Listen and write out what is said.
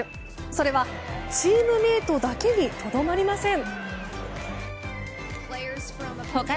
それはチームメートだけにとどまりません。